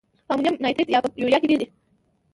په امونیم نایتریت یا په یوریا کې ډیر دی؟